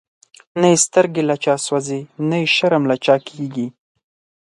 نه یی سترګی له چا سوځی، نه یی شرم له چا کیږی